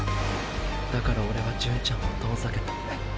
だからオレは純ちゃんを遠ざけた。